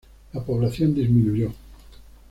La población disminuyó.